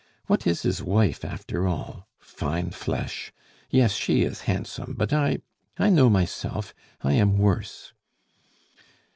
What is his wife after all? Fine flesh! Yes, she is handsome, but I I know myself I am worse!"